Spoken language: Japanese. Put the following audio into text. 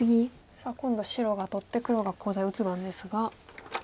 さあ今度は白が取って黒がコウ材打つ番ですが。